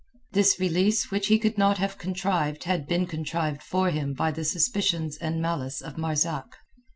This release which he could not have contrived had been contrived for him by the suspicions and malice of Marzak.